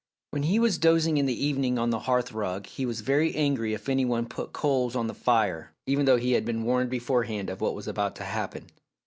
When he was dozing in the evening on the hearthrug he was very angry if any one put coals on the fire, even though he had been warned beforehand of what was about to happen.